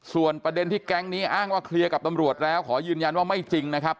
ส่วนประเด็นที่แก๊งนี้อ้างว่าเคลียร์กับตำรวจแล้วขอยืนยันว่าไม่จริงนะครับ